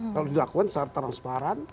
kalau dilakukan secara transparan